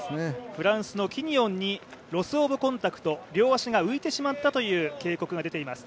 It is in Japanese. フランスのキニオンにロス・オブ・コンタクト両足が浮いてしまったという警告が出ています。